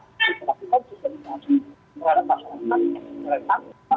terpaksa kita mengambil